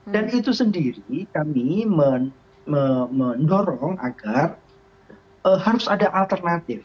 dan itu sendiri kami mendorong agar harus ada alternatif